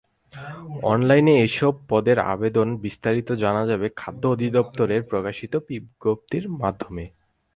অনলাইনে এসব পদের আবেদনের বিস্তারিত জানা যাবে খাদ্য অধিদপ্তরে প্রকাশিত বিজ্ঞপ্তির মাধ্যমে।